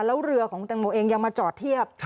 แล้วเรือของแตงโมเองยังมาจอดเทียบ